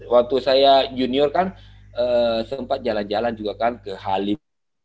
waktu saya junior kan sempat jalan jalan juga kan ke halim